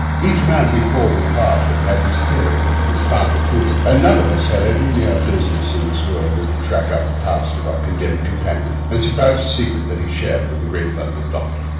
Each man, before we parted, had his theory that he was bound to prove; and none of us had any nearer business in this world than to track out the past of our condemned companion, and surprise the secret that he shared with the great London doctor.